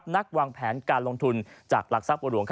นักวางแผนการลงทุนจากหลักทรัพย์บัวหลวง